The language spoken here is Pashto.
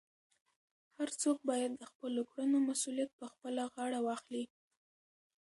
هر څوک باید د خپلو کړنو مسؤلیت په خپله غاړه واخلي.